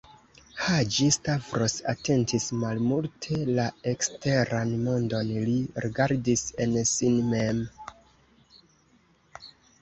Haĝi-Stavros atentis malmulte la eksteran mondon: li rigardis en sin mem.